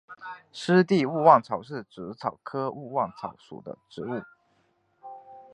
湿地勿忘草是紫草科勿忘草属的植物。